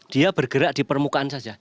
dia bergerak di permukaan saja